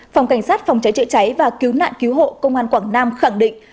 phòng cảnh sát phòng cháy chữa cháy và cứu nạn cứu hộ công an quảng nam khẳng định